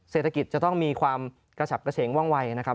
เศรษฐกิจจะต้องมีความกระฉับกระเฉงว่องวัยนะครับ